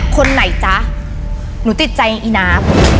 คนไหนจ๊ะหนูติดใจอีน้ำ